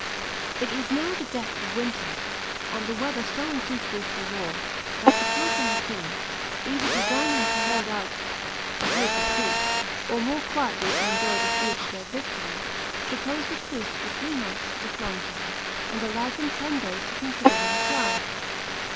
It was now the depth of winter, and the weather so unsuitable for war, that the pope and the king, either designing to hold out a hope of peace, or more quietly to enjoy the fruit of their victories, proposed a truce for three months to the Florentines, and allowed them ten days to consider the reply.